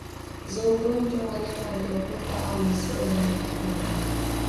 za ugonjwa wanyama waliokufa au mizoga na kinga